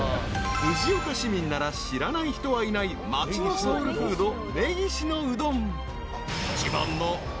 ［藤岡市民なら知らない人はいない町のソウルフード根岸のうどん］